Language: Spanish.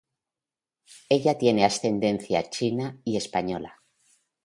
Ella tiene ascendencia china y española.